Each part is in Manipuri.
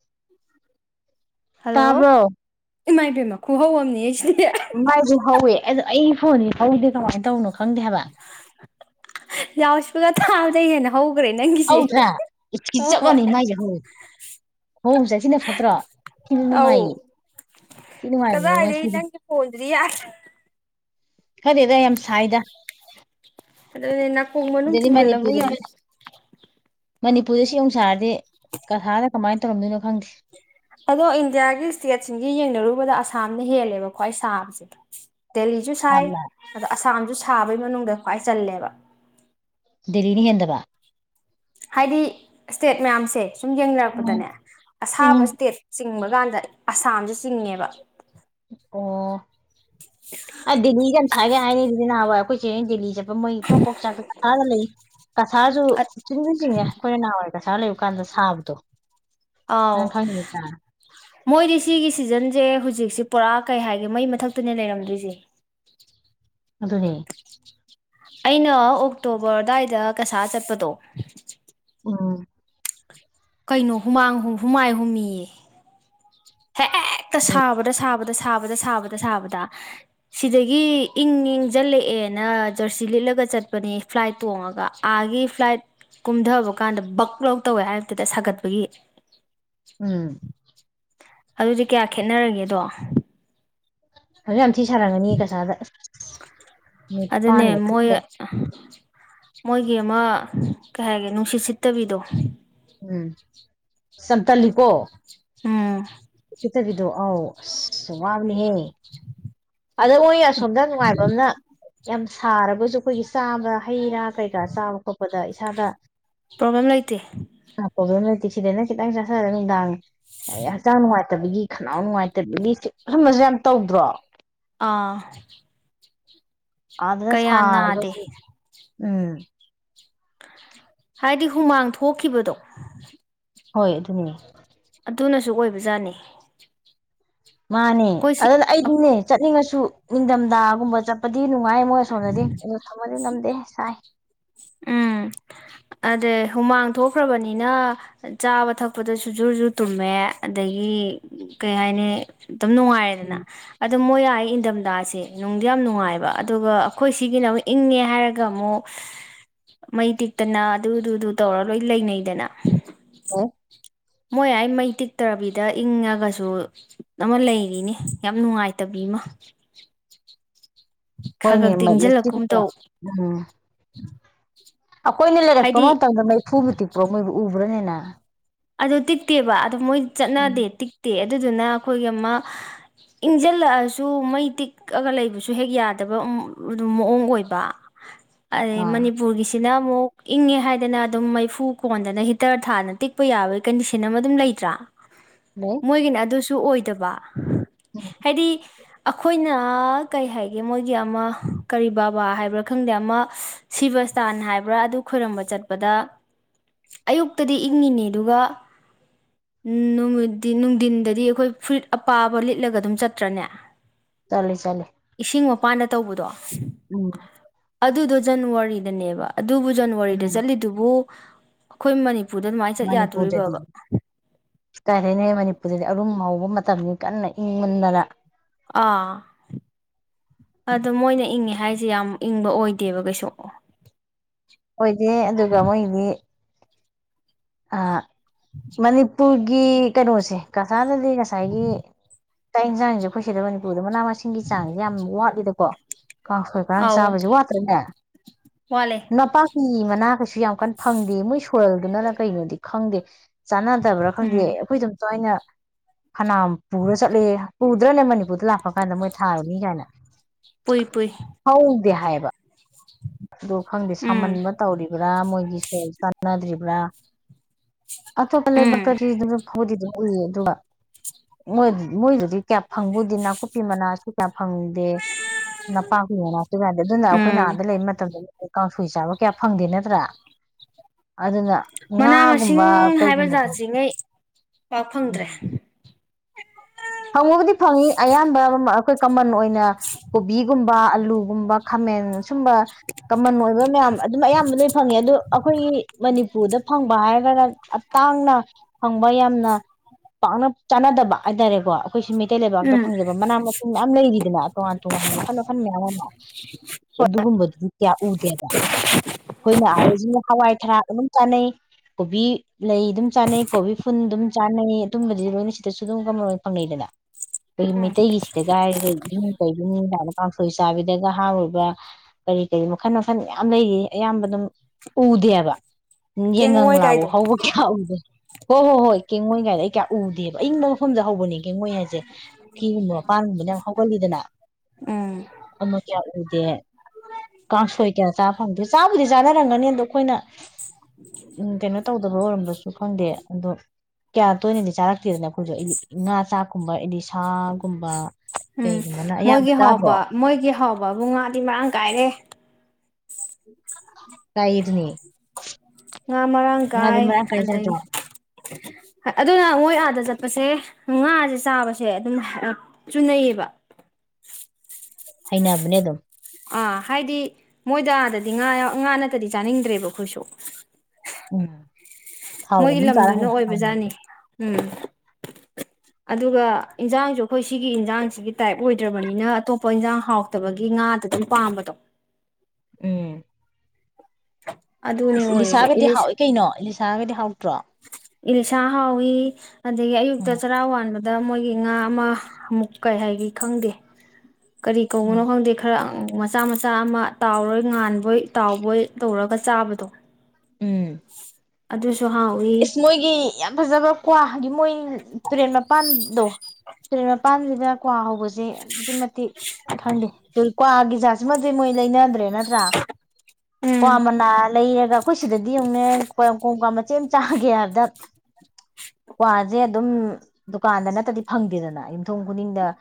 [inaudible] ꯍꯜꯂꯣ ꯇꯥꯕ꯭ꯔꯣ ꯏꯃꯥꯏ ꯄꯦꯝꯃ ꯈꯨꯍꯧ ꯑꯃꯝꯅꯤꯍꯦ ꯁꯤ ꯃꯥꯏꯖꯨ ꯍꯧꯋꯦ ꯑꯥꯗ ꯑꯩ ꯐꯣꯟꯗꯤ ꯍꯧꯗꯦ ꯀꯃꯥꯏꯅ ꯇꯧꯅꯣ ꯈꯡ ꯈꯡꯗꯦꯍꯥꯏꯕ ꯌꯥꯎꯏꯁꯄꯤꯀꯔ ꯊꯥꯕꯗꯩ ꯍꯦꯟꯅ ꯍꯧ ꯍꯧꯗ꯭ꯔꯥ ꯈꯤ ꯆꯞ ꯃꯥꯟꯅꯤꯩ ꯃꯥꯏꯁꯦ ꯍꯧ ꯍꯧꯕ ꯆꯠꯁꯤꯅ ꯐꯠꯇ꯭ꯔꯣ ꯤꯅ ꯑꯧ ꯅꯨꯡꯉꯥꯏ ꯊꯤ ꯀꯗꯥꯏꯗꯒꯤ ꯅꯨꯡꯉꯥꯏꯕꯉꯣꯟꯁꯤꯗꯤ ꯅꯪꯒꯤ ꯐꯣꯟꯗꯨꯗꯤ ꯌꯥꯗꯦ ꯈꯔꯗ ꯌꯥꯝ ꯁꯥꯏꯗ ꯑꯗꯅꯦ ꯅꯥꯀꯣꯡ ꯃꯅꯨꯡ ꯁꯤꯗꯗꯤ ꯊꯤꯡꯖꯜꯂꯝꯕ ꯌꯥꯏ ꯃꯅꯤꯄꯨꯔꯗꯗꯤ ꯃꯅꯤꯄꯨꯔꯗ ꯁꯤꯌꯧꯁꯥꯔꯗꯤ ꯀꯍꯥꯗ ꯀꯃꯥꯏꯅ ꯇꯧꯔꯝꯗꯣꯏꯅꯣ ꯈꯪꯗꯦ ꯑꯗꯣ ꯏꯟꯗꯤꯌꯥꯒꯤ ꯏꯁꯇꯦꯠꯁꯤꯡꯒ ꯌꯦꯡꯅꯔꯨꯕꯗ ꯑꯁꯥꯝꯅ ꯍꯦꯜꯂꯦꯕꯀꯣ ꯈ꯭ꯋꯥꯏ ꯁꯥꯕꯁꯦ ꯗꯦꯜꯂꯤꯖꯨ ꯁꯥꯏ ꯑꯁꯥꯝꯅ ꯑꯗ ꯑ ꯁꯥꯝꯖꯨ ꯁꯥꯕꯩ ꯃꯅꯨꯡꯗ ꯈ꯭ꯋꯥꯏ ꯆꯜꯂꯦꯕ ꯗꯦꯂꯤꯅ ꯍꯦꯟꯗꯕ ꯍꯥꯏꯗꯤ ꯏꯁꯇꯦꯠ ꯃꯌꯥꯝꯁꯦ ꯁꯨꯝ ꯎꯝ ꯌꯦꯡꯅꯔꯛꯄꯗꯅꯦ ꯑꯁꯥꯕ ꯎꯝ ꯏꯁꯇꯦꯠ ꯆꯤꯡꯕ ꯀꯥꯟꯗ ꯑꯁꯥꯝꯁꯦ ꯆꯤꯡꯉꯦꯕ ꯑꯣ ꯑ ꯗꯦꯜꯂꯤꯗ ꯌꯥꯝ ꯁꯥꯥꯏꯒꯦ ꯍꯥꯏꯅꯤ ꯑꯗꯨꯗꯤ ꯅꯍꯥꯟꯋꯥꯏꯦ ꯑꯩꯈꯣꯏ ꯆꯦ ꯗꯦꯜꯂꯤ ꯆꯠꯄ ꯃꯣꯏ ꯄꯂꯣꯛ ꯄꯣꯛꯆꯥꯛ ꯀꯊꯥꯗ ꯂꯩ ꯀꯁꯥꯁꯨ ꯑꯠ ꯆꯤꯡꯁꯨ ꯆꯤꯡꯉꯦ ꯑꯩꯈꯣꯏꯅ ꯅꯍꯥꯟꯋꯥꯏ ꯀꯁꯥꯔ ꯂꯩꯔꯨ ꯀꯥꯟꯗ ꯁꯥꯕꯗꯣ ꯑꯥꯎ ꯅꯪ ꯈꯪꯉꯤ ꯅꯥꯠꯇꯔꯥ ꯃꯣꯏꯗꯤ ꯁꯤꯒꯤ ꯁꯤꯖꯟꯁꯦ ꯍꯧꯖꯤꯛꯁꯦ ꯄꯨꯔꯥ ꯀꯩ ꯍꯥꯏꯒꯦ ꯃꯩ ꯃꯊꯛꯇꯅꯦ ꯂꯩꯔꯝꯗꯣꯏꯁꯦ ꯑꯗꯨꯅꯦ ꯑꯩꯅ ꯑꯣꯛꯇꯣꯕꯔ ꯑꯗꯨ꯭ꯋꯥꯏꯗ ꯀꯁꯥ ꯆꯠꯄꯗꯣ ꯑꯝ ꯀꯩꯅꯣ ꯍꯨꯃꯥꯡ ꯍꯨꯃꯥꯏ ꯍꯨꯝꯃꯤꯌꯦ ꯍꯦꯛꯇꯥ ꯁꯥꯕꯗ ꯁꯥꯕꯗ ꯗ ꯁꯥꯕꯗ ꯁꯥꯕꯗ ꯁꯥꯕꯗ ꯁꯤꯗꯒꯤ ꯏꯪ ꯏꯪꯁꯤꯜꯂꯛꯑꯦꯅ ꯖꯔꯁꯤ ꯂꯤꯠꯂꯒ ꯆꯠꯄꯅꯤ ꯐ꯭ꯂꯥꯏꯠ ꯇꯣꯡꯉꯒ ꯑꯥꯒꯤ ꯐ꯭ꯂꯥꯏꯠ ꯀꯨꯝꯊꯕ ꯀꯥꯟꯗ ꯕꯛ ꯂꯧ ꯇꯧꯋꯦ ꯍꯥꯏꯕꯗꯨꯗ ꯁꯥꯒꯠꯄꯒꯤ ꯎꯝ ꯑꯗꯨꯗꯤ ꯀꯌꯥ ꯈꯦꯠꯅꯔꯒꯦꯗꯣ [unintelligible] ꯁꯤ ꯁꯥꯔꯝꯒꯅꯤ ꯀꯁꯥꯗ ꯑꯁꯁ ꯑꯗꯨꯅꯦ ꯅꯨꯠꯄꯥꯟꯒ ꯃꯣꯏ ꯊꯛꯇ ꯃꯣꯏꯒꯤ ꯑꯃ ꯀꯩ ꯍꯥꯏꯒꯦ ꯅꯨꯡꯁꯤꯠ ꯁꯤꯠꯇꯕꯤꯗꯣ ꯎꯝ ꯆꯝꯇꯜꯂꯤꯀꯣ ꯑꯝ ꯈꯤꯠꯇꯕꯤꯗꯣ ꯑ ꯑꯁ ꯋꯥꯕꯅꯦꯍꯦ [unintelligible] ꯑꯗ ꯑꯣꯏ ꯑꯁ ꯁꯣꯝꯗ ꯅꯨꯡꯉꯥꯏꯕ ꯑꯃꯅ ꯌꯥꯝ ꯁꯥꯔꯒꯁꯨ ꯑꯩꯈꯣꯏꯒꯤ ꯆꯥꯕ ꯍꯩ ꯔꯥ ꯀꯩꯀꯥ ꯆꯥꯕ ꯈꯣꯠꯄꯗ ꯏꯁꯥꯗ ꯄ꯭ꯔꯣꯕ꯭ꯂꯦꯝ ꯂꯩꯇꯦ ꯇꯤꯛꯁꯤꯗꯅ ꯈꯤꯇꯪ ꯆꯡꯁꯔꯥ ꯅꯨꯡꯗꯥꯡ ꯍꯛꯆꯥꯡ ꯅꯨꯡꯉꯥꯏ ꯇꯕꯒꯤ ꯈꯅꯥꯎ ꯅꯨꯡꯉꯥꯏꯇꯕꯒꯤ ꯁꯨꯝꯕꯥꯖꯦ ꯌꯥꯝ ꯇꯧꯗ꯭ꯔꯣ ꯑꯥ ꯑꯗꯅ ꯀꯌꯥ ꯁꯥꯔ ꯅꯥꯗꯦ ꯎꯝ ꯍꯥꯏꯗꯤ ꯍꯨꯃꯥꯡ ꯊꯣꯛꯈꯤꯕꯗꯣ ꯍꯣꯏ ꯑꯗꯨꯅꯤ ꯑꯗꯨꯅꯁꯨ ꯑꯣꯏꯕꯖꯥꯠꯅꯤ ꯃꯥꯅꯦ ꯑꯩꯈꯣꯏ ꯁꯤ ꯑꯗꯨꯅ ꯑꯩꯗꯤꯅꯦ ꯆꯠꯅꯤꯡꯉꯁꯨ ꯅꯤꯡꯊꯝꯊꯥꯒꯨꯝꯕ ꯆꯠꯄ ꯁꯤ ꯅꯨꯡꯉꯥꯏ ꯃꯣꯏ ꯁꯣꯝꯗꯗꯤ ꯑꯗꯨ ꯊꯝꯃꯗꯤ ꯉꯝꯗꯦ ꯁꯥꯏ ꯎꯝ ꯑꯗꯩ ꯍꯨꯃꯥꯡ ꯊꯣꯛꯈ꯭ꯔꯕꯅꯤꯅ ꯆꯥꯕ ꯊꯛꯄꯗ ꯁꯨꯖꯨꯨꯖꯨ ꯇꯨꯝꯃꯦ ꯑꯗꯒꯤ ꯀꯩ ꯍꯥꯏꯅꯤ ꯑꯗꯨꯝ ꯅꯨꯡꯉꯥꯏꯔꯦꯗꯅ ꯑꯗꯨ ꯃꯣꯏ ꯏꯟꯊꯝꯊꯥꯁꯦ ꯅꯨꯡꯗꯤ ꯌꯥꯝ ꯅꯨꯡꯉꯥꯏꯕ ꯑꯗꯨꯒ ꯑꯩꯈꯣꯏ ꯁꯤꯒꯤꯅ ꯑꯃꯨꯛ ꯏꯪꯉꯦ ꯍꯥꯏꯔꯒ ꯑꯃꯨꯛ ꯃꯩ ꯇꯤꯛꯇꯅ ꯑꯗꯨꯗꯨꯗꯨ ꯇꯧꯔ ꯂꯣꯏ ꯂꯩꯅꯩꯗꯅ ꯍ ꯃꯣꯏ ꯑꯩ ꯃꯩ ꯇꯤꯛꯇ꯭ꯔꯕꯤꯗ ꯏꯪꯉꯒꯁꯨ ꯑꯃ ꯂꯩꯔꯤꯅꯤ ꯌꯥꯝ ꯅꯨꯡꯉꯥꯏꯇꯕꯤꯃ ꯍꯣꯏꯅꯦ ꯎꯝ [unintelligible] ꯑꯩꯈꯣꯏꯅ ꯂꯩꯔꯛꯄ ꯍꯥꯏꯗꯤ ꯃꯇꯝꯗ ꯃꯩꯐꯨꯕꯨ ꯇꯤꯛꯄꯣ ꯃꯣꯏꯕꯨ ꯎꯕ ꯄꯨꯔꯅꯤꯅ ꯑꯗꯨ ꯇꯤꯠꯇꯦꯕ ꯑꯗꯣ ꯃꯣꯏ ꯆꯠꯅꯗꯦ ꯇꯤꯛꯇꯦ ꯑꯗꯨꯗꯨꯅ ꯑꯩꯈꯣꯏꯒꯤ ꯑꯃ ꯏꯪꯁꯤꯜꯂꯛꯑꯁꯨ ꯃꯩ ꯇꯤꯛꯑꯒ ꯂꯩꯕꯁꯨ ꯍꯦꯛ ꯌꯥꯗꯕ ꯑꯗꯨꯝ ꯃꯑꯣꯡ ꯑꯣꯏꯕ ꯑꯗꯩ ꯑꯥ ꯃꯅꯤꯄꯨꯔꯒꯤꯁꯤꯅ ꯑꯃꯨꯛ ꯏꯪꯉꯦ ꯍꯥꯏꯗꯅ ꯑꯗꯨꯝ ꯃꯩꯐꯨ ꯀꯣꯟꯗꯅ ꯍꯤꯇꯔ ꯊꯥꯗꯅ ꯇꯤꯛ ꯀꯞꯄ ꯌꯥꯕꯒꯤ ꯀꯟꯗꯤꯁꯟ ꯑꯃ ꯑꯗꯨꯝ ꯂꯩꯇ꯭ꯔꯥ ꯂꯩ ꯃꯣꯏꯒꯤꯅꯦ ꯑꯗꯨꯁꯨ ꯑꯣꯏꯗ ꯑꯠꯇꯕ ꯍꯥꯏꯗꯤ ꯑꯩꯈꯣꯏꯅ ꯀꯩ ꯍꯥꯏꯒꯦ ꯃꯣꯏꯒꯤ ꯑꯃ ꯀꯔꯤ ꯕꯥꯕꯥ ꯍꯥꯏꯕ꯭ꯔꯥ ꯈꯪꯗꯦ ꯑꯃ ꯁꯤꯕꯁꯇꯥꯟ ꯍꯥꯏꯕ꯭ꯔꯥ ꯑꯗꯨ ꯈꯣꯏꯔꯝꯕ ꯆꯠꯄꯗ ꯑꯌꯨꯛꯇꯗꯤ ꯏꯪꯉꯤꯅꯤ ꯑꯗꯨꯒ ꯅꯨꯃꯤ ꯅꯨꯡꯊꯤꯟꯗꯗꯤ ꯑꯩꯈꯣꯏ ꯐꯨꯔꯤꯏꯠ ꯑꯄꯥꯕ ꯂꯤꯠꯂꯒ ꯑꯗꯨꯝ ꯆꯠꯇ꯭ꯔꯅꯦ ꯆꯠꯂꯤ ꯆꯠꯂꯤ ꯏꯁꯤꯡ ꯃꯄꯥꯟꯗ ꯇꯧꯕꯗꯣ ꯎꯝ ꯑꯗꯨꯗꯣ ꯖꯅꯋꯥꯔꯤꯗꯅꯦꯕ ꯑꯗꯨꯕꯨ ꯖꯅꯋꯥꯔꯤꯗ ꯃꯥꯅꯤ ꯆꯠꯂꯤꯗꯨꯕꯨ ꯑꯩꯈꯣꯏ ꯃꯅꯤ ꯄꯨꯨꯗ ꯑꯗꯨꯃꯥꯏ ꯆꯠ ꯌꯥꯗꯦ ꯇꯧꯔꯤꯕꯥꯕ ꯀꯥꯏꯗꯩꯅꫭ ꯍꯦ ꯃꯅꯤꯄꯨꯔꯗꯗꯤ ꯑꯔꯨꯝ ꯍꯧꯕ ꯃꯇꯝꯅꯤ ꯀꯟꯅ ꯏꯪ ꯃꯟꯗꯅ ꯑꯥ ꯑꯗꯣ ꯃꯣꯏꯅ ꯏꯪꯉꯦ ꯍꯥꯏꯁꯦ ꯌꯥꯝ ꯏꯪꯕ ꯑꯣꯏꯗꯦꯕ ꯀꯩꯁꯨ ꯑꯣꯏꯗꯦ ꯑꯗꯨꯒ ꯃꯣꯏꯗꯤ ꯑ ꯃꯅꯤꯞ ꯄꯨꯔꯒꯤ ꯀꯩꯅꯣꯁꯦ ꯀꯁꯥꯔꯗꯗꯤ ꯉꯁꯥꯏꯒꯤ ꯆꯥꯛ ꯏꯟꯖꯥꯡꯁꯦ ꯈꫭꯏꯁꯤꯗ ꯃꯅꯤꯄꯨꯔ ꯑꯗꯣ ꯃꯅꯥ ꯃꯁꯤꯡꯒꯤ ꯆꯥꯡꯁꯦ ꯌꯥꯝ ꯋꯥꯠꯂꯤꯗꯀꯣ ꯀꯥꯡꯁꫭꯏ ꯀꯔꯥꯡ ꯑꯧ ꯆꯥꯕꯁꯦ ꯋꯥꯠꯇ꯭ꯔꯅꯦ ꯋꯥꯠꯂꯦ ꯅꯥꯄꯥꯛꯄꯤ ꯃꯅꯥ ꯀꯩꯁꯨ ꯌꯥꯝ ꯀꯟꯅ ꯐꯪꯗꯦ ꯃꯣꯏ ꯁꯣꯏꯜꯗꯨꯅꯔ [unintelligible] ꯀꯩꯅꯣꯗꯤ ꯈꯪꯗꯦ ꯆꯥꯟꯅꯗꯕ꯭ꯔꯥ ꯈꯪꯗꯦ ꯎꯝ ꯑꯩꯈꯣꯏ ꯏꯗꫭꯝꯆꯥ ꯍꫭꯏꯅ ꯐꯅꯥꯝ ꯄꯨꯔ ꯆꯠꯂꯦ ꯄꯨ ꯗꯔꯅꯦ ꯃꯅꯤꯄꯨꯔꯗ ꯂꯥꯛꯄ ꯀꯥꯟꯗ ꯃꯣꯏ ꯊꯥꯔꯨꯅꯤ ꯀꯥꯏꯅ ꯄꯨꯏ ꯄꯨꯏ ꯕ ꯑꯗꯨ ꯈꯪꯗꯦ ꯎꯝ ꯁꯥꯃꯟꯕ ꯇꯧꯔꯤꯕ ꯑ ꯃꯣꯏꯒꯤ ꯁꫭꯏꯜ ꯆꯥꯟꯅꯗ꯭ꯔꯤꯕ꯭ꯔꯥ ꯑꯇꯣꯞꯄ ꯎꯝ ꯂꯩꯕꯥꯛꯇꯗꯤ [unintelligible] ꯍꯧꯗꯤꯗꯨꯝ ꯎꯏ ꯑꯗꯨꯒ ꯃꯣꯏꯗꯨꯗꯤ ꯀꯌꯥ ꯐꯪꯕꯨꯗꯤ ꯅꯥꯀꯨꯞꯄꯤ ꯃꯅꯥꯁꯨ ꯀꯌꯥ ꯐꯪꯗꯦ ꯅꯄꯥꯛꯄꯤ ꯄꯅꯥꯁꯨ [unintelligible] ꯑꯗꯨꯅ ꯑꯩꯈꯣꯏꯅ ꯎꯝ ꯑꯥꯗ ꯂꯩꯕ ꯃꯠ ꯀꯥꯡꯁꯣꯏ ꯆꯥꯕ ꯀꯌꯥ ꯐꯪꯗꯦ ꯅꯠꯇ꯭ꯔꯥ ꯑꯗꯨꯅ ꯃꯅꯥ ꯃꯁꯤꯡ ꯉꯥꯒꯨꯝꯕ ꯍꯥꯏꯕ ꯀꯩꯒꯨꯝꯕꯗꯤ ꯖꯥꯠꯁꯤꯉꯩ ꯄꯥꯛ ꯎꯝ ꯐꯪꯗ꯭ꯔꯦ ꯐꯪꯕꯕꯨꯗꯤ ꯐꯪꯉꯤ ꯑꯌꯥꯝꯕ ꯑꯈꯣꯏ ꯀꯃꯟ ꯑꯣꯏꯅ ꯀꯣꯕꯤꯒꯨꯝꯕ ꯑꯂꯨ ꯑꯂꯨꯒꯨꯝꯕ ꯈꯥꯃꯦꯟ ꯁꯨꯝꯕ ꯀꯃꯟ ꯑꯣꯏꯕ ꯃꯌꯥꯝ ꯑꯗꯨꯝ ꯑꯌꯥꯝꯕ ꯂꯣꯏ ꯐꯪꯉꯦ ꯑꯗꯨ ꯑꯩꯈꯣꯏꯒꯤ ꯃꯅꯤꯄꯨꯔꯗ ꯐꯪꯕ ꯍꯥꯏꯔꯒꯅ ꯑꯩ ꯇꯥꯡꯅ ꯐꯪꯕ ꯌꯥꯝꯅ ꯄꯥꯛꯅ ꯆꯥꯟꯅꯗꯕ ꯍꯥꯏꯇꯥꯔꯦꯀꯣ ꯑꯩꯈꯣꯏꯁꯤ ꯃꯩꯇꯩ ꯂꯩꯕꯥꯛꯇ ꯎꯝ ꯐꯪꯖꯕ ꯃꯅꯥ ꯃꯁꯤꯡ ꯃꯌꯥꯝ ꯂꯩꯔꯤꯗꯅ ꯇꯣꯉꯥꯟ ꯇꯣꯉꯥꯟꯕ ꯃꯈꯟ ꯃꯈꯟ ꯃꯌꯥꯝ ꯑꯃ ꯑꯗꯨꯒꯨꯝꯕꯗꯨꯗꯤ ꯀꯌꯥ ꯎꯗꯦꯕ ꯑꯩꯈꯣꯏꯅ ꯑꯥꯗ [unintelligible] ꯍꯋꯥꯏ ꯊꯔꯥꯛ ꯑꯗꯨꯝ ꯆꯥꯅꯩ ꯀꯣꯕꯤ ꯂꯩ ꯑꯗꯨꯝ ꯆꯥꯅꯩ ꯀꯣꯕꯤ ꯐꯨꯟ ꯑꯗꯨꯝ ꯆꯥꯅꯩ ꯑꯗꯨꯨꯝꯕꯖꯤꯗꯤ ꯂꯣꯏꯅ ꯁꯤꯗꯁꯨ ꯑꯗꯨꯝ ꯀꯃꯟ ꯐꯪꯅꯩꯗꯅ ꯑꯈꯣꯏꯒꯤ ꯎꯝ ꯃꯩꯇꯩꯒꯤꯁꯤꯗꯒ ꯍꯥꯏꯔꯒ ꯌꯨꯝꯀꯩꯒꯤ ꯃꯤꯅ ꯀꯥꯡꯁꯣꯏ ꯆꯥꯕꯤꯗꯒ ꯍꯥꯞꯔꯤꯕ ꯀꯔꯤ ꯀꯔꯤ ꯃꯈꯟ ꯃꯈꯟ ꯃꯌꯥꯝ ꯂꯩꯔꯤ ꯑꯌꯥꯝꯕ ꯑꯗꯨꯝ ꯎꯗꯦꯕ ꯎꯝ ꯌꯥꯏꯉꯪ ꯀꯦꯡꯉꯣꯏ ꯂꯥꯕꯧ ꯀꯥꯏꯗꯣ ꯍꯧꯕ ꯀꯌꯥ ꯎꯗꯦ ꯍꯣ ꯍꯣ ꯍꯣꯏ ꯀꯦꯡꯉꯣꯏ ꯀꯥꯏꯗꫭ ꯑꯩ ꯀꯌꯥ ꯎꯗꯦ ꯑꯏꯪꯕ ꯃꯐꯝꯗ ꯍꯧꯕꯅꯤ ꯃꯣꯏ ꯍꯥꯏꯁꯦ ꯄꯨꯈꯤꯒꯨꯝꯕ ꯃꯄꯥꯟꯒꯨꯝꯕꯅ ꯌꯥꯝ ꯍꯧꯒꯂꯤꯗꯅ ꯎꯝ ꯑꯃ ꯀꯌꯥ ꯎꯗꯦ ꯀꯥꯡꯁꯣꯏ ꯀꯌꯥ ꯆꯥ ꯐꯪꯗꯦ ꯆꯥꯕꯨꯗꯤ ꯆꯥꯅꯔꯝꯒꯅꯤ ꯑꯗꯣ ꯑꯩꯈꯣꯏꯅ ꯎꯝ ꯀꯩꯅꯣ ꯇꯧꯗꯕ ꯑꯣꯏꯔꯝꯕꯁꯨ ꯈꯪꯗꯦ ꯑꯗꯣ ꯀꯌꯥ ꯇꯣꯏꯅꯗꯤ ꯆꯥꯔꯛꯇꯦꯗꯅ ꯑꯩꯈꯣꯏꯁꯨ ꯑꯩ ꯉꯥ ꯆꯥꯛꯀꯨꯝꯕ ꯑꯦꯂꯤꯁꯥꯒꯨꯝꯕ ꯎꯝ ꯃꯣꯏꯒꯤ ꯍꯥꯎꯕ ꯃꯣꯏꯒꯤ ꯍ ꯕꯥꯕꯨ ꯉꯥꯗꯤ ꯃꯔꯥꯡ ꯀꯥꯏꯔꯦ꯫ ꯀꯥꯏꯌꯦ ꯑꯗꯨꯅꯦ ꯫ ꯉꯥ ꯃꯔꯥꯡ ꯀꯥꯏ ꯑꯗꯩ ꯆꯥꯗ꯭ꯔꯣ ꯑꯗꯨꯅ ꯃꯣꯏ ꯑꯥꯗ ꯆꯠꯄꯁꯦ ꯉꯥꯁꯦ ꯆꯥꯕꯁꯦ ꯑꯗꯨꯝ ꯆꯨꯅꯩꯌꯦꯕ꯫ ꯍꯩꯅꯕꯅꯦ ꯑꯗꯨꯝ꯫ ꯑꯥ ꯍꯥꯏꯗꯤ ꯃꯣꯏꯗ ꯑꯥꯗꯗꯤ ꯉꯥ ꯉꯥ ꯅꯠꯇꯗꯤ ꯆꯥꯅꯤꯡꯗ꯭ꯔꯦꯕ ꯑꯩꯈꯣꯏꯁꯨ꯫ ꯎꯝ꯫ ꯃꯣꯏꯒꯤ ꯊꯥꯎꯒꯨꯝꯕ ꯑꯃ ꯆꯥꯔ ꯂꯝꯗꯨꯅ ꯍꯩꯅ ꯑꯣꯏꯕ ꯖꯥꯠꯅꯤ ꯍꯥꯎꯅꯕꯅꯦ ꯎꯝ꯫ ꯑꯗꯨꯒ ꯏꯟꯖꯥꯡꯁꯨ ꯑꯩꯈꯣꯏ ꯁꯤꯒꯤ ꯏꯟꯖꯥꯡꯁꯤꯒꯤ ꯇꯥꯏꯞ ꯑꯣꯏꯗ꯭ꯔꯕꯅꯤꯅ ꯑꯇꯣꯞꯄ ꯏꯟꯁꯥꯡ ꯍꯥꯎꯇꯕꯒꯤ ꯉꯥꯗ ꯑꯗꯨꯝ ꯄꯥꯝꯕꯗꯣ ꯎꯝ꯫ ꯑꯗꯨꯅꯦ ꯑꯣꯏꯔꯤꯁꯦ ꯏꯂꯤꯁꯥꯒꯗꯤ ꯏꯂꯤꯁ ꯍꯥꯎꯏ ꯀꯩꯅꯣ ꯏꯂꯤꯁꯥꯒꯗꯤ ꯍꯥꯎꯇ꯭ꯔꯣ? ꯏꯂꯤꯁꯥ ꯍꯥꯎꯋꯤ ꯑꯗꯒꯤ ꯑꯌꯨꯛꯇ ꯎꯝ ꯆꯔꯥꯥ ꯋꯥꯥꯟꯕ ꯗ ꯃꯣꯏꯒꯤ ꯉꯥ ꯑꯃ ꯑꯃꯨꯛ ꯀꯩ ꯍꯥꯏꯒ ꯈꯪꯗꯦ꯫ ꯀꯔꯤ ꯎꯝ ꯀꯧꯕꯅꯣ ꯈꯪꯗꯦ ꯈꯔ ꯃꯆꯥ - ꯃꯆꯥ ꯑꯃ ꯇꯥꯎꯔꯣꯏ ꯉꯥꯟꯕꯣꯏ ꯇꯥꯎꯕꯣꯏ ꯇꯧꯔꯒ ꯆꯥꯕꯗꯣ ꯎꯝ [inaudible] ꯑꯗꯨꯁ ꯏꯁ ꯃꯣꯏꯒꯤ ꯌꯥꯝ ꯐꯖꯕ ꯋꯥ ꯍꯥꯏꯗꯤ ꯃꯣꯏ ꯇꯨꯔꯦꯟ ꯃꯄꯥꯟꯗꯣ ꯇꯨꯔꯦꯟ ꯃꯄꯥꯟꯁꯤꯗ ꯀ꯭ꯋꯥ ꯍꯧꯕꯁꯦ ꯑꯗꯨꯛꯀꯤ ꯃꯇꯤꯛ ꯈꯪꯗꯦ ꯀ꯭ꯋꯥꯒꯤꯥ ꯖ ꯃꯗꯤ ꯃꯣꯏ ꯂꯩꯅꯗ꯭ꯔꯦ ꯅꯠꯇ꯭ꯔꯥ? ꯀ꯭ꯋꯥ ꯎꯝ ꯃꯅꯥ ꯂꯩꯔꯒ ꯑꯩꯈꯣꯏ ꯁꯤꯗꯗꯤ ꯌꯦꯡꯉꯨꯅꯦ ꯀꯣꯡ ꯀꯥ ꯃꯥ ꯆꯦꯝ ꯆꯥꯒꯦ ꯍꯥꯏꯕꯗ ꯀ꯭ꯋꯥꯁꯦ ꯑꯗꯨꯝ ꯗꯨꯀꯥꯟꯗ ꯅꯠꯇꯗꯤ ꯐꯪꯗꯦꯗꯅ ꯌꯨꯝꯊꯣꯡ ꯈꯨꯗꯤꯡꯗ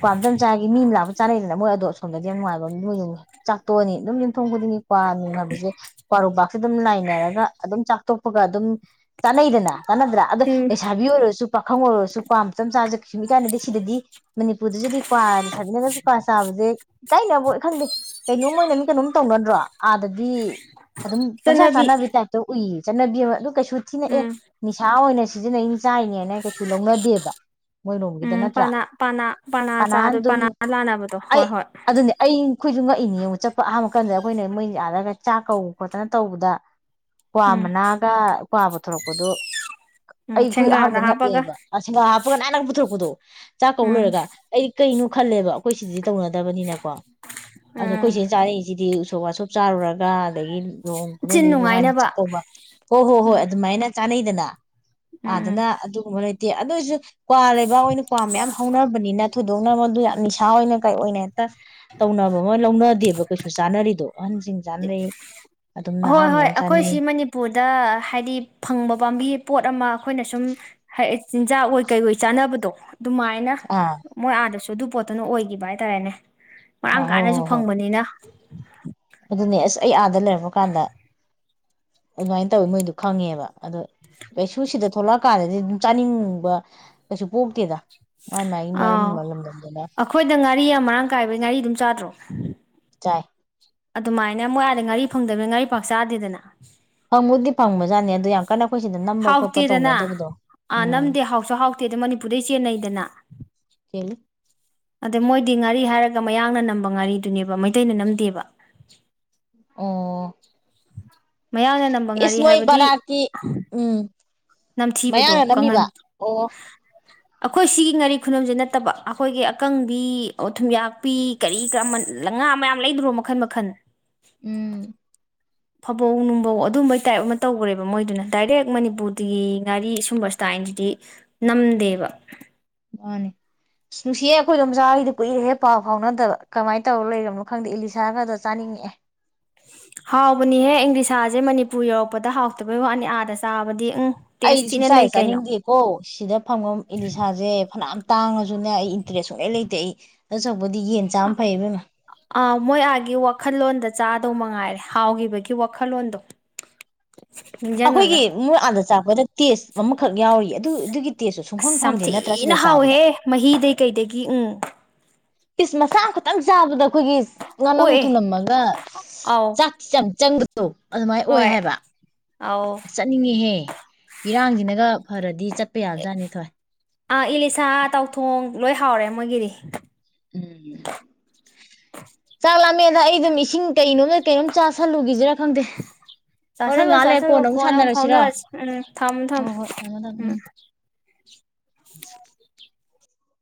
ꯀ꯭ꯋꯥ ꯃꯇꯞ ꯆꯥꯒꯤ ꯃꯤ ꯑꯃ ꯂ ꯆꯥꯅꯩꯗꯅ ꯃꯣꯏ ꯑꯗꯣꯝꯗ ꯑꯁꯣꯝꯗꯗꯤ ꯌꯥꯝꯅꯨꯡꯥꯏꯕꯝ ꯃꯣꯏ ꯌꯨꯝꯉꯦ ꯆꯥꯛꯇꯣꯛꯑꯅꯤ ꯑꯗꯨꯝ ꯌꯦꯨꯝꯊꯣꯡ ꯈꯨꯗꯤꯡꯒꯤ ꯀꯌꯥ [unintelligible] ꯑꯗꯨꯝ ꯂꯩꯥꯏꯅꯔꯒ ꯑꯗꯨꯝ ꯆꯥꯛ ꯑꯇꯣꯞꯄꯒ ꯑꯗꯨꯝ ꯆꯥꯅꯩꯗꯅ ꯇꯥꯟꯅꯗ꯭ꯔꯥ ꯑꯗꯣ ꯎꯝ ꯂꯩꯁꯥꯕꯤ ꯑꯣꯏꯔꯁꯨ ꯄꯥꯈꯪ ꯑꯣꯏꯔꯁꯨ ꯀ꯭ꯋꯥ ꯃꯇꯝ ꯆꯥꯖ ꯀꯩꯁꯨ ꯏꯀꯥꯏꯅꯗꯦ ꯁꯤꯗꯗꯤ ꯃꯅꯤ ꯎꯄꯨꯗꯨꯗꯤ ꯀ꯭ꯋꯥꯅ ꯁꯥꯕꯤꯟꯅꯔꯒꯁꯨ ꯀ꯭ꯋꯥꯔ ꯆꯥꯕꯁꯦ ꯏ ꯀꯥꯏꯅꯕ ꯈꯪꯗꯦ ꯀꯩꯅꯣꯝ ꯑꯣꯏꯅ ꯃꯤ ꯀꯩꯅꯣꯝ ꯇꯧꯅꯗ꯭ꯔꯣ ꯑꯥꯗꯗꯤ ꯑꯗꯨꯝ ꯄꯪꯆꯥ ꯆꯠꯅꯕꯤ ꯆꯥꯅꯕꯤ ꯇꯥꯏꯞꯇ ꯎꯏ ꯆꯠꯅꯕꯤ ꯑꯃ ꯑꯗꯨ ꯀꯩꯁꯨ ꯊꯤꯅꯑꯦ ꯎꯝ ꯅꯤꯁꯥ ꯑꯣꯏꯅ ꯁꯤꯖꯤꯟꯅꯩꯅꯤ ꯆꯥꯏꯅꯦꯅ ꯀꯩꯁꯨ ꯂꯧꯅꯗꯦꯕ ꯃꯣꯏꯔꯣꯝꯒꯤꯗ ꯎꯝ ꯄ ꯅꯠꯇ꯭ꯔꯥ ꯄꯅꯥ ꯄꯅꯥ ꯀꯅꯥꯅ ꯆꯥꯗ ꯑꯗꯨꯝ ꯄꯅꯥ ꯂꯥꯟꯅꯕꯗꯣ ꯍꯣꯏ ꯑꯩ ꯍꯣꯏ ꯑꯗꯨꯅꯦ ꯑꯩ ꯑꯩꯈꯣꯏꯁꯨ ꯉꯛꯏꯅꯦ ꯌꯦꯡꯎ ꯆꯠꯄ ꯑꯍꯥꯟꯕ ꯀꯟꯗ ꯑꯩꯈꯣꯏꯅ ꯃꯣꯏ ꯑꯗ ꯆꯥꯛ ꯀꯧꯕ ꯈꯣꯠꯇꯅ ꯇꯧꯕꯗ ꯋꯥ ꯎꯝ ꯃ ꯅꯥꯒꯥ ꯀ꯭ꯋꯥ ꯄꯨꯊꯣꯛꯂꯛꯄꯗꯨ ꯎꯝ ꯑꯩꯈꯣꯏ ꯁꯦꯡꯒꯥꯗ ꯑꯍꯥꯟꯕꯗ ꯍꯥꯞꯄꯒ ꯉꯛꯑꯦꯕ ꯑꯁꯤꯅ ꯑꯗꯨꯒ ꯅꯥꯟꯅ ꯄꯨꯊꯔꯄꯗꯣ ꯆꯥꯛ ꯀꯧ ꯎꯝ ꯂꯣꯏꯔꯒ ꯑꯩꯗꯤ ꯀꯩꯅꯣ ꯈꯜꯂꯦꯕ ꯑꯩꯈꯣꯏ ꯁꯤꯗꯤ ꯇꯧꯅꯗꯕꯅꯤꯅꯀꯣ ꯑꯗꯣ ꯑꯩꯈꯣꯏ ꯎꯝ ꯁꯤ ꯆꯥꯅꯩꯁꯤꯗꯤ ꯎꯁꯣꯞ ꯋꯁꯞ ꯆꯥꯔꯨꯔꯒ ꯑꯗꯒꯤ ꯂꯣ ꯍꯣꯡ ꯆꯤꯟ ꯈꯨꯗꯣꯡꯒꯤꯁꯨꯅꯨꯡꯉꯥꯏꯅꯤ ꯅꯨꯡꯉꯥꯏꯅꯕ ꯆꯥꯛꯀꯧꯕ ꯍꯣ ꯍꯣ ꯍꯣꯏ ꯎꯝ ꯑꯗꯨ ꯃꯥꯏꯅ ꯆꯥꯅꯩ ꯗꯅ ꯎꯝ ꯑꯗꯅ ꯑꯗꯨꯒꯨꯝꯕ ꯂꯩ ꯑꯗꯨ ꯑꯣꯏꯁꯨ ꯀ꯭ꯋꯥ ꯂꯩꯕ ꯑꯣꯏꯅ ꯀ꯭ꯋꯥ ꯃꯌꯥꯝ ꯍꯧꯅꯕꯅꯤꯅ ꯊꯣꯏꯗꯣꯛꯅ ꯃꯗꯨ ꯌꯥꯝ ꯅꯤꯁꯥ ꯑꯣꯏꯅ ꯀꯩ ꯑꯣꯏꯅ ꯍꯦꯛꯇ ꯇꯧꯅꯕ ꯑꯃ ꯂꯧꯅꯗꯦꯕ ꯀꯩꯁꯨ ꯆꯥꯅꯔꯤꯗꯣ ꯑꯍꯟꯁꯤꯡ ꯆꯥꯅꯩ ꯑꯗꯨꯝ ꯍꯣꯏ ꯅꯍꯥ ꯍꯣꯏ ꯃꯌꯥꯝ ꯆꯥꯅꯩ ꯑꯩꯈꯣꯏꯁꯤ ꯃꯅꯤꯄꯨꯔꯗ ꯍꯥꯏꯗꯤ ꯐꯪꯕ ꯄꯥꯝꯕꯤ ꯄꯣꯠ ꯑꯃ ꯑꯩꯈꯣꯏꯅ ꯁꯨꯝ ꯍꯥꯏ ꯆꯤꯟꯖꯥꯛ ꯑꯣꯏ ꯀꯩ ꯑꯣꯏ ꯆꯥꯅꯕꯗꯣ ꯑꯗꯨꯃꯥꯏꯅ ꯑꯥ ꯃꯣꯏ ꯑꯥꯗꯁꯨ ꯑꯗꯨ ꯄꯣꯠꯇꯨꯅ ꯑꯣꯏꯒꯤꯕ ꯍꯥꯏꯇꯥꯔꯦꯅꯦ ꯑꯥ ꯃꯔꯥꯡ ꯍꯣꯏ ꯀꯥꯏꯅꯁꯨ ꯍꯣꯏ ꯍꯣꯏ ꯐꯪꯕꯅꯤꯅ [inaudible] ꯑꯗꯨꯅꯦ ꯑꯁ ꯑꯩ ꯑꯥꯗ ꯂꯩꯔꯛꯕ ꯀꯥꯟꯗ ꯑꯗꯨꯃꯥꯏꯅ ꯇꯧꯋꯤ ꯃꯣꯏꯗꯣ ꯈꯪꯉꯦꯕ ꯑꯗꯣ ꯀꯩꯁꯨꯁꯤꯗ ꯊꯣꯛꯂꯛ ꯀꯥꯟꯗꯗꯤ ꯑꯗꯨꯝ ꯆꯥꯅꯤꯡꯕ ꯀꯩꯁꯨ ꯄꯣꯛꯇꯦꯗ ꯃꯥꯏ ꯃꯥꯒꯤ ꯃꯔꯝ ꯑꯥꯎ ꯂꯝꯗꯝꯗꯨꯅ ꯑꯩꯈꯣꯏꯅ ꯉꯥꯔꯤ ꯌꯝ ꯃꯔꯥꯡ ꯀꯥꯏꯕꯩ ꯉꯥꯔꯤ ꯑꯗꯨꯝ ꯆꯥꯗ꯭ꯔꯣ ꯆꯥꯏ ꯑꯗꯨꯃꯥꯏꯅ ꯃꫭꯏ ꯑꯗꯥ ꯉꯥꯔꯤ ꯐꯪꯗꯕꯅꯤꯅ ꯉꯥꯔꯤ ꯄꯥꯛ ꯆꯥꯗꯦꯗꯅ ꯐꯪꯕꯨꯗꯤ ꯐꯪꯕꯖꯥꯠꯅꯤ ꯑꯗꯨꯗꯥ ꯌꯥꯝ ꯀꯟꯅ ꯑꯩꯈꯣꯏ ꯁꯤꯗ ꯅꯝꯕ ꯈꯣꯠꯄ ꯍꯥꯎꯇꯦꯗꯅ ꯇꯧꯅꯗꯕꯗꯣ ꯑꯥ ꯎꯝ ꯅꯝꯗꯦ ꯍꯥꯎꯁꯨ ꯍꯥꯎꯇꯦ ꯑꯗ ꯃꯅꯤꯄꯨꯔꯗꯩ ꯆꯦꯟꯅꯩꯗꯅ [unintelligible] ꯀꯦꯜꯂꯤ ꯑꯗ ꯃꯣꯏꯗꯤ ꯉꯥꯔꯤ ꯍꯥꯏꯔꯒ ꯃꯌꯥꯡꯅ ꯅꯝꯕ ꯉꯥꯔꯤꯗꯨꯅꯦꯕ ꯃꯩꯇꯩꯅ ꯅꯝꯗꯦꯕ ꯑꯣ ꯃꯌꯥꯡꯅ ꯅꯝꯕ ꯉꯥꯔꯤ ꯍꯥꯏꯕꯗꯤ ꯏꯁꯃꯣꯏꯕꯔꯛꯀꯤ ꯎꯝ ꯅꯝꯊꯤꯕꯗꯣ ꯃꯌꯥꯡꯅ ꯀꯪꯍꯟ ꯅꯝꯃꯤꯕ ꯑꯣ [unintelligible] ꯑꯩꯈꯣꯏ ꯁꯤꯒꯤ ꯉꯥꯔꯤ ꯈꯨꯅꯝꯖꯦ ꯅꯠꯇꯕ ꯑꯩꯈꯣꯏꯒꯤ ꯑꯀꯪꯕꯤ ꯊꯨꯝꯌꯥꯛꯄꯤ ꯀꯔꯤ ꯀꯃꯟ ꯂꯪ ꯉꯥ ꯃꯌꯥꯝ ꯂꯩꯗ꯭ꯔꯣ ꯃꯈꯟ ꯃꯈꯟ ꯎꯝ ꯐꯕꯧ ꯅꯨꯡꯕꯧ ꯑꯗꯨꯝꯕꯩ ꯇꯥꯏꯞ ꯑꯃ ꯇꯧꯒ꯭ꯔꯦꯕ ꯃꯣꯏꯗꯨꯅ ꯗꯥꯏꯔꯦꯛ ꯃꯅꯤꯄꯨꯔꯗꯒꯤ ꯉꯥꯔꯤ ꯁꯨꯝꯕ ꯏꯁꯇꯥꯏꯜꯖꯤꯗꯤ ꯅꯝꯗꯦꯕ ꯃꯥꯅꯦ ꯑꯁ ꯅꯨꯡꯁꯤꯌꯦ ꯑꯩꯈꯣꯏ ꯏꯗꯣꯝꯆꯥꯍꫭꯏꯒꯗꫭ ꯀꯨꯏꯔꯦꯍꯦ ꯄꯥꯎ ꯐꯥꯎꯅꯗꯕ ꯀꯃꯥꯏꯅ ꯇꯧꯔ ꯂꯩꯔꯕꯅꯣ ꯈꯪꯗꯦ ꯏꯂꯤꯁꯥ ꯒꯗꫭ ꯆꯥꯅꯤꯡꯉꯛꯑꯦ ꯍꯥꯎꯕꯅꯤꯍꯦ ꯏꯪꯂꯤꯁꯥꯖꯦ ꯃꯅꯤꯄꯨꯔ ꯌꯧꯔꯛꯄꯗ ꯍꯥꯎꯇꯕ ꯋꯥꯅꯤ ꯑꯥꯗ ꯆꯥꯕꯗꯤ ꯎꯝ ꯇꯦꯁ ꯑꯩꯗꯤ ꯊꯤꯅ ꯁꯨꯡꯆꯥ ꯂꯩ ꯍꫭꯛ ꯀꯩꯅꯣ ꯆꯥꯅꯤꯡꯗꯦꯀꯣ ꯁꯤꯗ ꯐꯪꯐꯝ ꯏꯂꯤꯁꯥꯖꯦ ꯐꯅꯌꯥꯝ ꯇꯥꯡꯉꯖꯨꯅꯦ ꯑꯩ ꯏꯟꯇꯔꯦꯁ ꯁꯨꯛꯂꯩ ꯂꯩꯇꯦ ꯑꯩ ꯑꯗꯨꯁꯥꯔꯨꯛ ꯄꯨꯗꯤ ꯌꯦꯟ ꯆꯥꯕꯅ ꯐꯩ ꯏꯕꯦꯝꯃꯥ ꯑ ꯃꯣꯏ ꯑꯥꯒꯤ ꯋꯥꯈꯜꯂꯣꯟꯗ ꯆꯥꯗꯧ ꯃꯉꯥꯏꯔꯦ ꯍꯥꯎꯒꯤꯕꯒꯤ ꯋꯥꯈꯜꯂꯣꯟꯗꯣ [unintelligible] ꯅꯤꯡꯁꯤꯡꯉꯒ ꯑꯈꯣꯏꯒꯤ ꯃꯣꯏ ꯑꯥꯗ ꯆꯥꯛꯄꯥꯗ ꯇꯦꯁ ꯑꯃꯈꯛ ꯌꯥꯎꯔꯤꯌꯦ ꯑꯗꯨ ꯑꯗꯨꯒꯤ ꯇꯦꯁꯇꯨ ꯁꯨꯡꯐꯪ ꯑꯁ ꯐꯪꯗꯦ ꯅꯠꯇ꯭ꯔꯥ ꯌꯥꯝꯊꯤꯅ ꯁꯤꯗ ꯆꯥꯕꯗ ꯍꯥꯎꯋꯤꯍꯦ ꯃꯍꯤꯗꯩ ꯀꯩꯗꯒꯤ ꯎꯝ ꯄꯤꯁ ꯃꯆꯥ ꯑꯃ ꯈꯛꯇꯪ ꯆꯥꯕꯗ ꯑꯩꯈꯣꯏꯒꯤ ꯉꯥꯅꯝ ꯑꯣꯛꯑꯦ ꯊꯨꯝꯂꯝꯃꯒ ꯑꯥꯎ ꯆꯥꯛꯁꯨ ꯌꯥꯝ ꯆꯪꯕꯗꯣ ꯑꯗꯨꯃꯥꯏꯅ ꯑꯣꯏ ꯍꯣꯏ ꯍꯥꯏꯕ ꯑꯥꯎ ꯆꯠꯅꯤꯡꯉꯤꯍꯦ ꯏꯔꯥꯡꯖꯤꯅꯒ ꯐꯔꯗꯤ ꯆꯠ [unintelligible] ꯑ ꯏꯂꯤꯁꯥ ꯇꯥꯎꯊꯣꯡ ꯂꯣꯏ ꯍꯥꯎꯔꯦ ꯃꯣꯏꯒꯤꯗꯤ ꯎꯝ ꯆꯥꯛꯂꯝ ꯃꯦꯗ ꯑꯩꯗꯨꯝ ꯏꯁꯤꯡ ꯀꯩꯅꯣꯝꯗ ꯀꯩꯅꯣꯝ ꯆꯥꯥꯁꯜꯂꯨꯒꯤꯖꯤꯔꯥ ꯈꯪꯗꯦ ꯍꯣꯔꯦꯟ ꯆꯥꯁꯤꯜꯂꯣ ꯉꯥꯌꯛ ꯂꯩꯔꯥ ꯆꯥꯁꯤꯜꯂꯣ ꯀꯣꯟꯅ ꯑꯃꯨꯛ ꯁꯥꯟꯅꯔꯁꯤꯔꯣ ꯐꯥꯎꯅꯔꯁꯤ ꯎꯝ ꯊꯝꯃꯣ ꯍꯣꯏ ꯊꯝꯃꯣ ꯍꯣꯏ ꯊꯝꯃꯦ ꯊꯝꯃꯦ ꯎꯝ